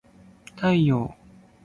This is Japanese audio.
太陽